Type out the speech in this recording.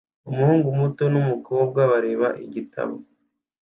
Umuhungu muto numukobwa bareba igitabo